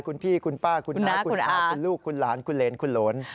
คุณพี่คุณป้าคุณน้าคุณอาคุณลูกคุณหลานคุณเหรนคุณหลน